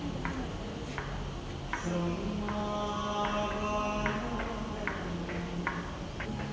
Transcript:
นี้เป็นความถุดีบ้าง